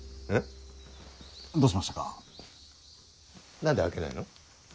何で開けないの？